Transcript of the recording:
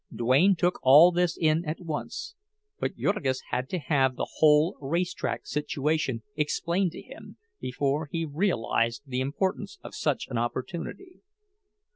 Duane took all this in at once, but Jurgis had to have the whole race track situation explained to him before he realized the importance of such an opportunity.